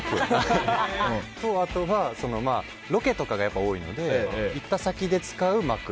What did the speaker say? あとは、ロケとかが多いので、行った先で使う枕。